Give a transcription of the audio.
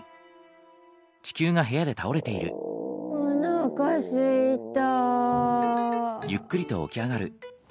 おなかすいた！